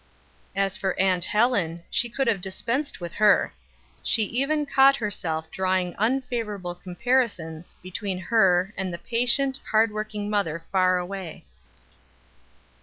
As for Aunt Helen, she could have dispensed with her; she even caught herself drawing unfavorable comparisons between her and the patient, hardworking mother far away.